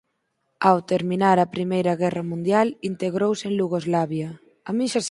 Ao terminar a I Guerra Mundial integrouse en Iugoslavia.